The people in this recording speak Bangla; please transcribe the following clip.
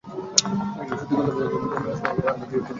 সত্যি কথা বলতে কী, বিদায় নেওয়ার সময় আমি কিছুটা বিষণ্নই হয়ে পড়েছিলাম।